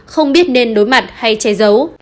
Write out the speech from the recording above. không biết nên đối mặt hay chè giấu